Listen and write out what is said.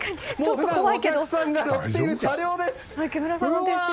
普段お客さんが乗っている車両です。